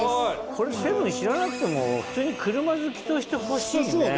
これ『セブン』知らなくても普通に車好きとして欲しいね。